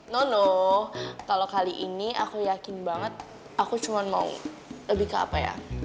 nono kalau kali ini aku yakin banget aku cuma mau lebih ke apa ya